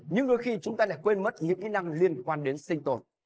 nhưng đôi khi chúng ta lại quên mất những kỹ năng liên quan đến sinh tồn